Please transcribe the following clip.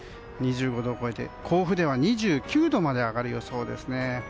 ２５度を超えて、甲府では２９度まで上がる予想ですね。